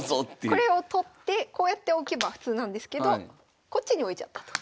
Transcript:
これを取ってこうやって置けば普通なんですけどこっちに置いちゃったと。